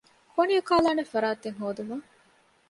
ކުނި އުކާލާނެ ފަރާތެއް ހޯދުމަށް